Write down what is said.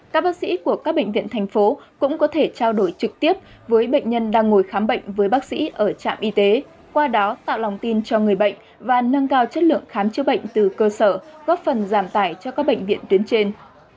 các bác sĩ của các bệnh viện thành phố cũng có thể trao đổi trực tiếp với bệnh nhân đang ngồi khám bệnh với bác sĩ ở trạm y tế qua đó tạo lòng tin cho người bệnh và nâng cao chất lượng khám chữa bệnh từ cơ sở góp phần giảm tải cho các bệnh viện tuyến trên